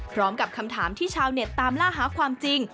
พร้อมกับคำถามที่ชาวเน็ตตามล่าหาความจริง